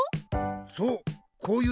そう。